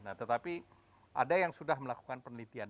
nah tetapi ada yang sudah melakukan penelitian